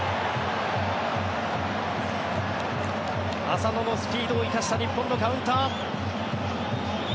浅野のスピードを生かした日本のカウンター。